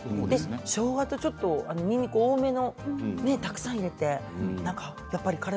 しょうがとにんにく多めのたくさん入れて。